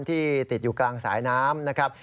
ที่ติดอยู่กลางสายน้ำนะครับ